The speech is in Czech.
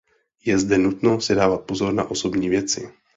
Je zde nutno si dávat pozor na osobní věci.